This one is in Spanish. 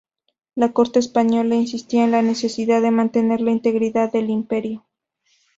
La corte española insistía en la necesidad de mantener la integridad del Imperio.